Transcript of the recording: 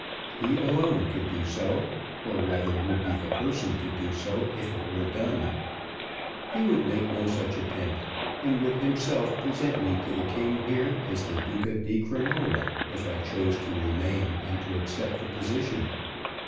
He alone could do so, or rather would be the person to do so if it were done. He would make no such attempt, and would himself present me to the King here as the Duca di Crinola if I chose to remain and to accept the position.